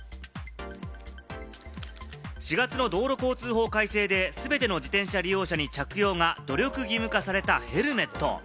４月の道路交通法改正で全ての自転車利用者に着用が努力義務化されたヘルメット。